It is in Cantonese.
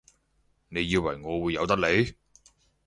你以為我會由得你？